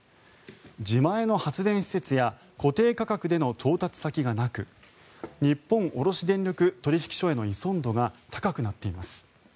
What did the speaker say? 自前の発電施設や固定価格での調達先がなく日本卸電力取引所への依存度が高くなっています。